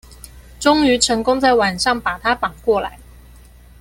終於成功在晚上把他綁過來